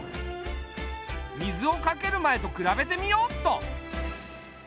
水をかける前と比べてみよっと。